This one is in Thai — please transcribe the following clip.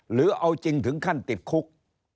หรือเอาจริงถึงขั้นติดคุก